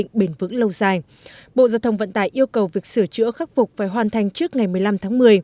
khắc phục mặt đường này đã được xây dựng và hoàn thành trước ngày một mươi năm tháng một mươi